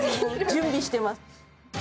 準備してます。